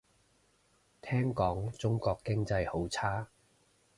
聽講中國經濟好差